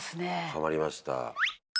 ハマりました。